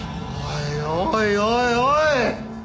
おいおいおいおい！